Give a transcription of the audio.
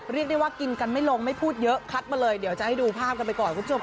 เรียกได้ว่ากินกันไม่ลงไม่พูดเยอะคัดมาเลยเดี๋ยวจะให้ดูภาพกันไปก่อนคุณผู้ชม